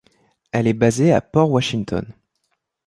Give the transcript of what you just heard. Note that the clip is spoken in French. Elle est basée à Port Washington.